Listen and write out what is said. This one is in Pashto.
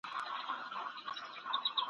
د اوړي وروستی ګلاب `